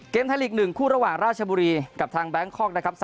เกมที่นี่คือระหว่างราชบุรีกับทางแบงค์คอร์กนะครับ